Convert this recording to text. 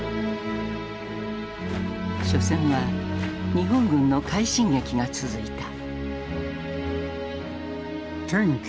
緒戦は日本軍の快進撃が続いた。